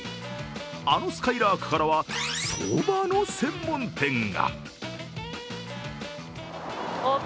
あの、すかいらーくからはそばの専門店が。